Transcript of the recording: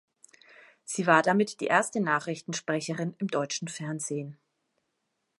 Sie war damit die erste Nachrichtensprecherin im deutschen Fernsehen.